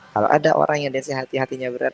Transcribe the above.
kalau ada orang yang disihati hatinya berat